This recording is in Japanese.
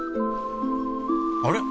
あれ？